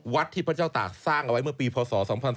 ที่พระเจ้าตากสร้างเอาไว้เมื่อปีพศ๒๔